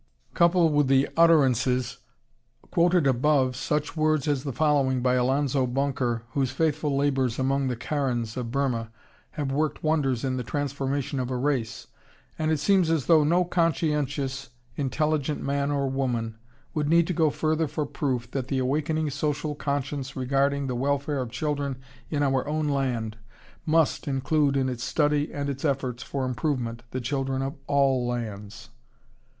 ] Couple with the utterances quoted above such words as the following by Alonzo Bunker, whose faithful labors among the Karens of Burma have worked wonders in the transformation of a race, and it seems as though no conscientious, intelligent man or woman would need to go further for proof that the awakening social conscience regarding the welfare of children in our own land must include in its study and its efforts for improvement the children of all lands.